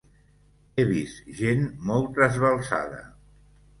He vist gent molt trasbalsada.